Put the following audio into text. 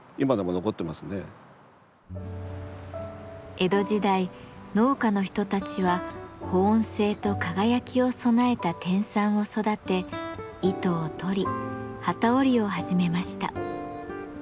江戸時代農家の人たちは保温性と輝きを備えた天蚕を育て糸をとり機織りを始めました。